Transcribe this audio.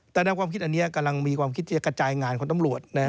แต่แนวความคิดอันนี้กำลังมีความคิดจะกระจายงานของตำรวจ